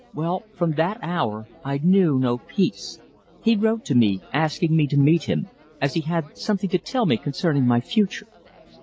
Well, from that hour I knew no peace. He wrote to me, asking me to meet him, as he had something to tell me concerning my future.